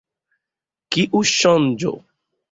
Kiu ŝanĝo?